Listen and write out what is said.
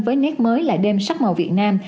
với nét mới là đêm sắc màu việt nam